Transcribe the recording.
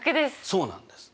そうなんです。